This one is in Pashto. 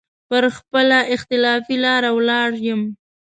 پر خپله اختلافي لاره ولاړ يم.